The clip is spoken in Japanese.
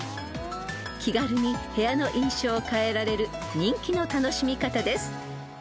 ［気軽に部屋の印象を変えられる人気の楽しみ方です］